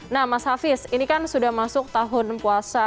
nah mas hafiz ini kan sudah masuk tahun puasa